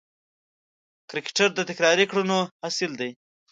کرکټر د تکراري کړنو حاصل دی.